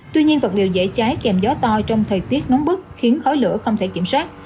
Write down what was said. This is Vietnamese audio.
tuy nhiên vật liệu dễ cháy kèm gió to trong thời tiết nóng bức khiến khói lửa không thể kiểm soát